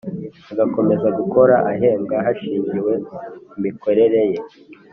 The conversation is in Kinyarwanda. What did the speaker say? agakomeza gukora ahembwa hashingiwe imikorere ye